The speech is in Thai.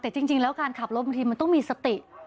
แต่จริงแล้วการขับรถบางทีมันต้องมีสติ